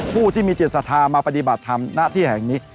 ผู้ที่มีจินสถามาปฏิบัติธรรมน้าทิชย์แห่งนี้